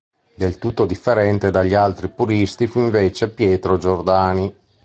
Del tutto differente dagli altri puristi fu invece Pietro Giordani.